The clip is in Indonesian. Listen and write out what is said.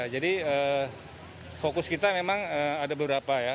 jadi fokus kita memang ada beberapa ya